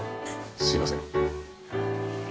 すいません。